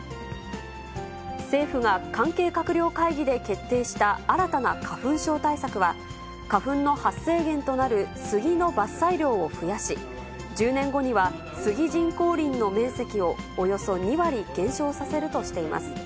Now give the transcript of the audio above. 政府が関係閣僚会議で決定した新たな花粉症対策は、花粉の発生源となるスギの伐採量を増やし、１０年後にはスギ人工林の面積をおよそ２割減少させるとしています。